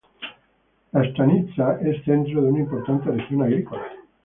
La "stanitsa" es centro de una importante región agrícola.